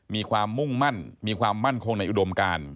มีความมุ่งมั่นมีความมั่นคงในอุดมการ